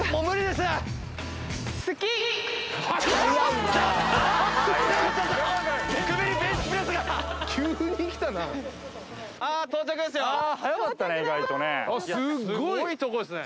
すごいとこですね。